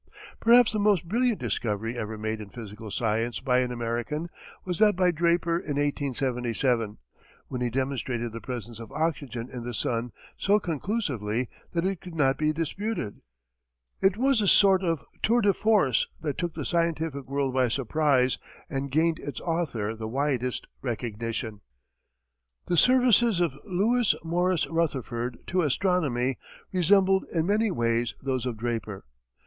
Perhaps the most brilliant discovery ever made in physical science by an American was that by Draper in 1877, when he demonstrated the presence of oxygen in the sun so conclusively that it could not be disputed. It was a sort of tour de force that took the scientific world by surprise and gained its author the widest recognition. The services of Lewis Morris Rutherford to astronomy resembled in many ways those of Draper.